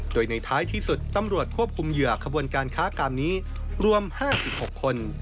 โดยในท้ายที่สุดตำรวจควบคุมเหยื่อขบวนการค้ากรรมนี้รวม๕๖คน